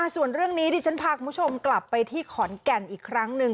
ส่วนเรื่องนี้ดิฉันพาคุณผู้ชมกลับไปที่ขอนแก่นอีกครั้งหนึ่ง